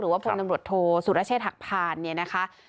หรือว่าผู้นำรวจโทสุรเชษฐกภานเนี่ยนะคะ